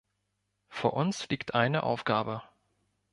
Vor uns liegt eine Aufgabe.